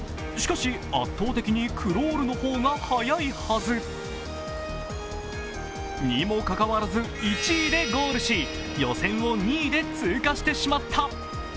しかし、圧倒的にクロールの方が速いはず。にもかかわらず、１位でゴールし予選を２位で通過してしまった。